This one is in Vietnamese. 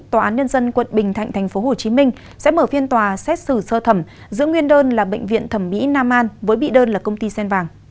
tòa án nhân dân quận bình thạnh tp hcm sẽ mở phiên tòa xét xử sơ thẩm giữ nguyên đơn là bệnh viện thẩm mỹ nam an với bị đơn là công ty sen vàng